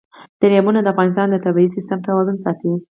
دریابونه د افغانستان د طبعي سیسټم توازن ساتي.